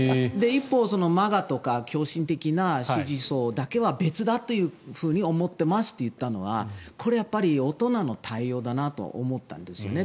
一方でＭＡＧＡとか狂信的な支持層だけは別だと思っていますというのはこれは大人の対応だなと思ったんですよね。